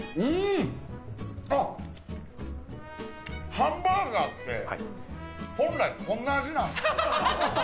ハンバーガーって本来こんな味なんすね。